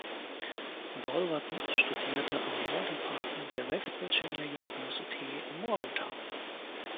Wolverton studierte am Law Department der West Virginia University in Morgantown.